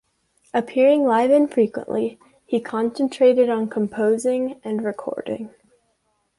Appearing live infrequently, he concentrated on composing and recording.